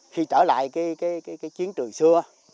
khi trở lại cái chiến trường xưa